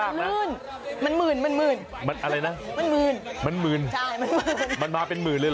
มันมืนมันมืนมันมืนมันมืนมันมืนมันมาเป็นหมื่นเลยเหรอ